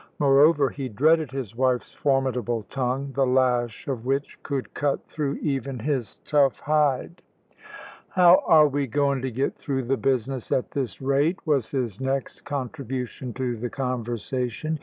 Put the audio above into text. Moreover, he dreaded his wife's formidable tongue, the lash of which could cut through even his tough hide. "How are we goin' to get through the business at this rate?" was his next contribution to the conversation.